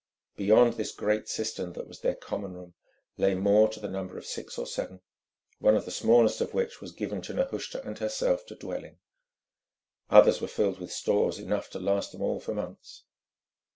Beyond this great cistern, that was their common room, lay more to the number of six or seven, one of the smallest of which was given to Nehushta and herself to dwell in. Others were filled with stores enough to last them all for months.